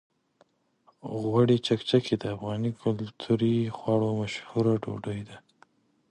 غوړي چکچکي د افغاني کلتوري خواړو مشهوره ډوډۍ ده.